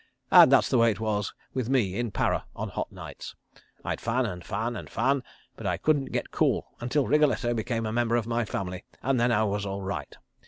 "And that was the way it was with me in Para on hot nights. I'd fan and fan and fan, but I couldn't get cool until Wriggletto became a member of my family, and then I was all right.